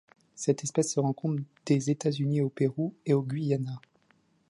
Cette espèce se rencontre des États-Unis au Pérou et au Guyana.